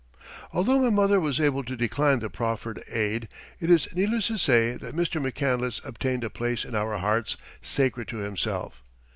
Although my mother was able to decline the proffered aid, it is needless to say that Mr. McCandless obtained a place in our hearts sacred to himself.